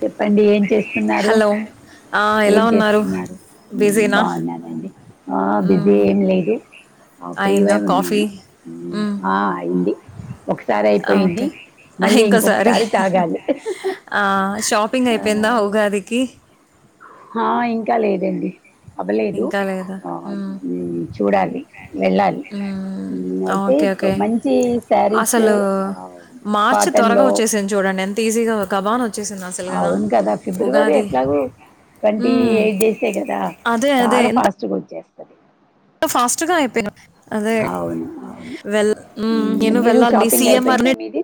చెప్పండి ఏం చేస్తున్నారు హలో ఆ, ఎలా ఏం ఉన్నారు చేస్తున్నారు ఊ బిజీనా బావున్నానండి ఆ బిజీ మ్మ్. ఏం లేదు ఆ అయిందా ఫ్రీవె కాఫీ ఉన్నాను మ్మ్. ఆ అయింది. ఒకసారి ఆ, అయిపోయింది ఓకే ఆ, మళ్ళీ ఇంకోసారి ఇంకొకసారి తాగాలి. ఆ, షాపింగ్ అయిపోయిందా ఉగాదికి. హా ఇంకా లేదండి అవ్వలేదు ఇంకా లేదా ఆ మ్మ్. హ్ చూడాలి. వెళ్ళాలి మ్మ్. హ్ అయితే ఓకే ఇప్పుడు ఓకే మంచి సారీస్ అసలు ఆ మార్చి త్వరగా వచ్చేసింది చూడండి. ఎంత ఈజీగా కబాన్ వచ్చేసింది అసలు కదా ఉగాది. ట్వంటీ మ్మ్. ఎయిట్ డేసే కదా అదే అదే చాలా ఫాస్ట్గా వచ్చేస్తది. ఎంత ఫాస్ట్ గా అయిపోయిందో. అదే అవును. అవును. వెల్ హ్ హ్మ్. నేను మీరు వెళ్ళా అండి షాపింగ్ అయిపోయిందా సిఎంఆర్ని మీది?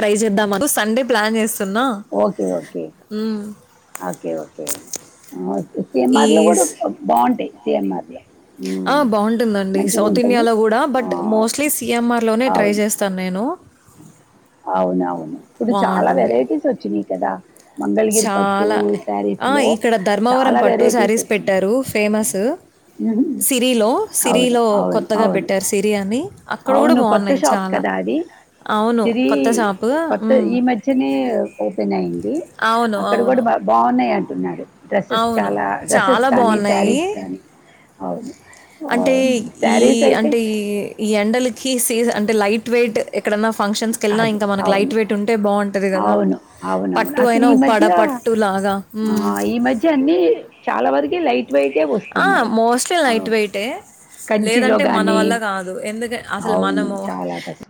ట్రై చేద్దాం అను సండే ప్లాన్ చేస్ ఓకే ఓకే ఓకే ఓకే ఆ ఒకే ఈ సిఎంఆర్ లో కూడా స్- బా బావుంటయి సిఎంఆర్ లో. ఆ బావుంటుందండి. సౌత్ ఇండియాలో కూడా బట్ ఆహ్, మోస్ట్లీ సిఎంఆర్లోనే ట్రై అవును. చేస్తాను నేను. అవునవును. ఇప్పుడు చాలా బాగుంటుంది వెరైటీస్ వచ్చినయి కదా. మంగళగిరి పట్టు చాలా ఆ శారీస్‌లో ఇక్కడ ధర్మవరం చాలా పట్టు వెరైటీస్ సారీస్ వచ్చినియి. పెట్టారు ఫేమస్. హుహు. సిరీలో, అవును. సిరీలో అవును. కొత్తగా అవును. పెట్టారు సిరీ అని. అక్కడ కూడా అవును కొత్త బాగున్నాయి షాప్ చాలా కదా అది. అవును సిరీ కొత్త షాపు కొత్తది మ్మ్. ఈ మధ్యనే ఓపెన్ అయి అయింది. అవును అక్కడ కూడా అవును బా బావున్నయి అంటున్నారు. డ్రెస్సెస్ అవును చాలా డ్రెస్సెస్ చాలా కానీ, సారీస్ బాగున్నాయి కానీ. అవును అంటే ఆహ్, హ్మ్. ఈ శారీస్ అయితే అంటే ఈ ఈ ఎండలకి సీజన్ అంటే లైట్ వెయిట్ ఎక్కడన్నా ఫంక్షన్స్కి వెళ్ళినా, అది ఇంకా మనకి లైట్ అవును వెయిట్ ఉంటే బావుంటది కదా. అవును అవునవును పట్టు అసలు అయినా, ఈ ఉప్పాడ మధ్య పట్ ఆ ఈ మధ్య అన్ని చాలా వరకి లైట్ వేయిట్ వే వస్తున్నయి. మోస్ట్లీ లైట్ వెయిటే కంచిలో లేదంటే మన కానీ వల్ల కాదు ఎందుకంటే అసలు అవును మనము చాలా కష్టం.